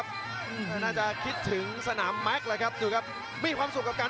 จังหวาดึงซ้ายตายังดีอยู่ครับเพชรมงคล